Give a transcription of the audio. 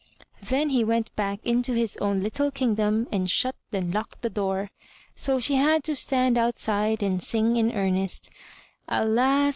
Then he went back into his own little kingdom and shut and locked the door. So she had to stand outside and sing in earnest: ''Alas!